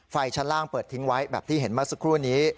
ชั้นล่างเปิดทิ้งไว้แบบที่เห็นเมื่อสักครู่นี้